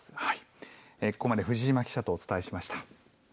ここまで藤島記者とお伝えしました。